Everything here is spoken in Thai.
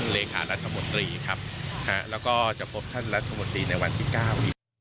เลขารัฐมนตรีครับฮะแล้วก็จะพบท่านรัฐมนตรีในวันที่เก้า